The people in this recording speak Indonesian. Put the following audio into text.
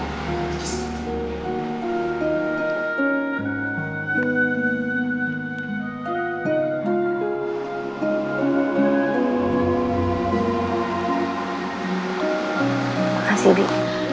terima kasih ibu